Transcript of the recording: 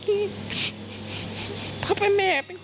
ไม่ตั้งใจครับ